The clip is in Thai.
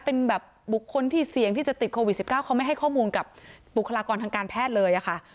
เป็นแบบบุคคลที่เสี่ยงที่จะติดโควิด๑๙เขาไม่ให้ข้อมูลกับบุคลากรทางการแพทย์เลยค่ะ